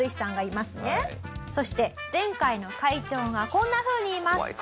そして前回の会長がこんなふうに言います。